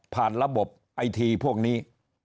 ระบบไอทีพวกนี้